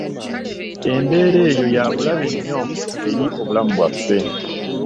Embeera eyo ya bulabe nnyo eri obulamu bwaffe.